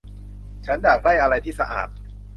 ฉันอยากได้อะไรที่สะอาด